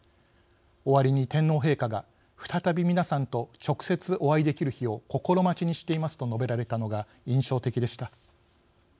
終わりに、天皇陛下が「再び皆さんと直接お会いできる日を心待ちにしています」と述べられたのが印象的でした。